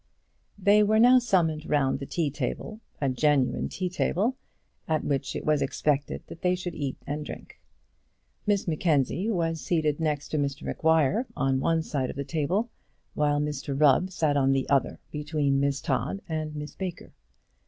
They were now summoned round the tea table, a genuine tea table at which it was expected that they should eat and drink. Miss Mackenzie was seated next to Mr Maguire on one side of the table, while Mr Rubb sat on the other between Miss Todd and Miss Baker.